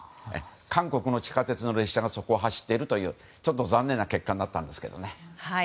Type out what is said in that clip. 韓国の地下鉄の列車がそこを走っているというちょっと残念な結果になったんですけどね。